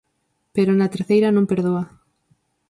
Pero na terceira non perdoa.